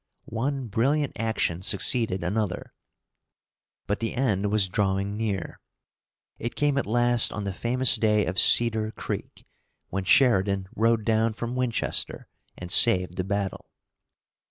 One brilliant action succeeded another, but the end was drawing near. It came at last on the famous day of Cedar Creek, when Sheridan rode down from Winchester and saved the battle.